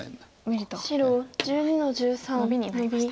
ノビになりました。